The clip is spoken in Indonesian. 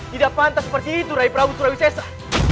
tidak pantas seperti itu rai prabu surawi sesa